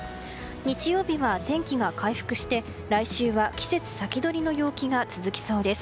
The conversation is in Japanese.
日曜日は天気が回復して来週は季節先取りの陽気が続きそうです。